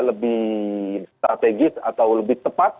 lebih strategis atau lebih tepat